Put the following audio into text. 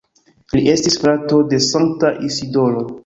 Li estis frato de Sankta Isidoro.